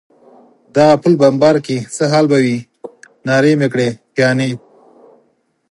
دغه پل بمبار کړي، څه حال به وي؟ نارې مې کړې: پیاني.